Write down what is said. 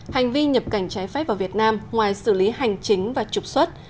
hành vi nhập cảnh trái phép vào việt nam ngoài xử lý hành chính và trục xuất